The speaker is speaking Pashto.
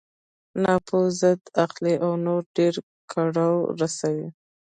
ناپوه ضد اخلي او نور ډېر کړاو رسوي.